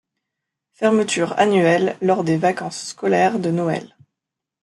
Fermeture annuelle lors des vacances scolaires de Noël.